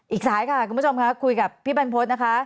อีกสายค่ะคุณผู้ชมค่ะคุยกับพี่บรรพฤษนะคะ